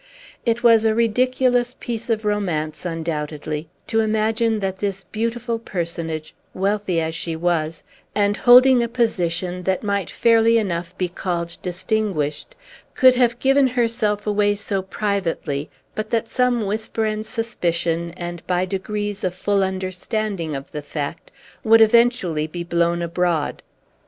It was a ridiculous piece of romance, undoubtedly, to imagine that this beautiful personage, wealthy as she was, and holding a position that might fairly enough be called distinguished, could have given herself away so privately, but that some whisper and suspicion, and by degrees a full understanding of the fact, would eventually be blown abroad.